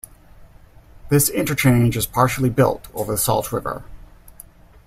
This interchange is partially built over the Salt River.